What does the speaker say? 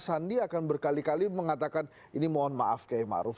mas sandi akan berkali kali mengatakan ini mohon maaf kay ma'ruf